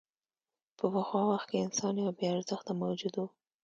په پخوا وخت کې انسان یو بېارزښته موجود و.